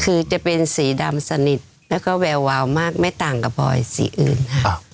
คือจะเป็นสีดำสนิทแล้วก็แวววาวมากไม่ต่างกับพลอยสีอื่นค่ะ